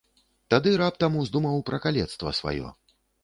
Тады раптам уздумаў пра калецтва сваё.